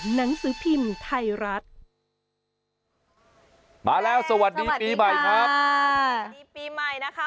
หนังสือพิมพ์ไทยรัฐมาแล้วสวัสดีปีใหม่ครับอ่าสวัสดีปีใหม่นะคะ